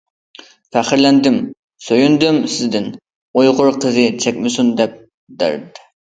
پەخىرلەندىم، سۆيۈندۈم سىزدىن، ئۇيغۇر قىزى چەكمىسۇن دەپ دەرد.